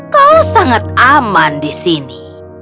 kau sangat aman di sini